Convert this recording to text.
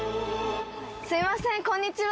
すみません、こんにちは。